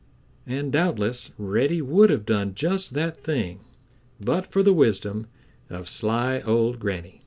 And doubtless Reddy would have done just that thing but for the wisdom of sly old Granny.